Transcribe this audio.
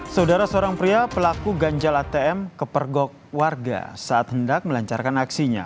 saudara seorang pria pelaku ganjal atm kepergok warga saat hendak melancarkan aksinya